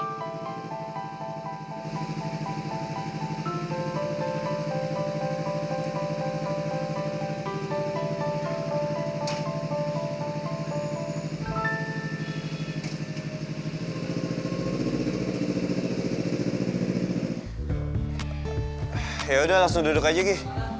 ya udah langsung duduk aja gi